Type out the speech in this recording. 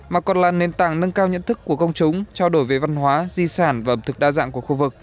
mà còn là nền tảng nâng cao nhận thức của công chúng trao đổi về văn hóa di sản và ẩm thực đa dạng của khu vực